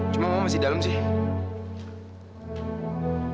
cuma ngomong masih dalam sih